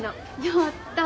やった！